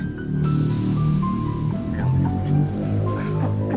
gak mau nungguin